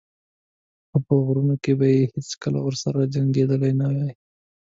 خو په غرونو کې به یې هېڅکله ورسره جنګېدلی نه وای.